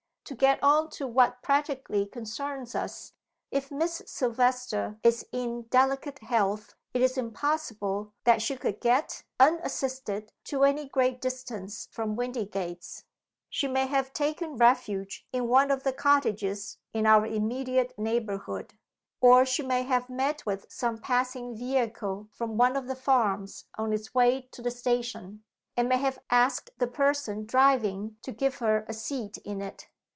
To get on to what practically concerns us; if Miss Silvester is in delicate health it is impossible that she could get, unassisted, to any great distance from Windygates. She may have taken refuge in one of the cottages in our immediate neighborhood. Or she may have met with some passing vehicle from one of the farms on its way to the station, and may have asked the person driving to give her a seat in it.